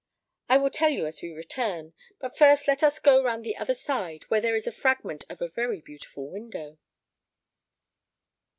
I will tell it to you as we return; but first let us go round to the other side, where there is a fragment of a very beautiful window."